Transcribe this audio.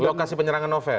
lokasi penyerangan novel